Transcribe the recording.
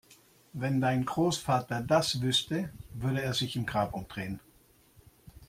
Wenn dein Großvater das wüsste, würde er sich im Grab umdrehen!